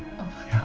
ya ya baik